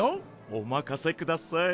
おまかせください。